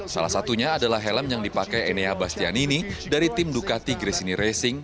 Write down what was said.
salah satunya adalah helm yang dipakai enea bastianini dari tim ducati gressini racing